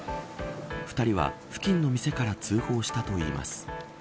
２人は付近の店から通報したといいます。